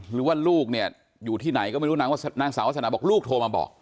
ลูกเนี่ยอยู่ที่ไหนก็ไม่รู้นางสาววาสนาบอกลูกโทรมาบอก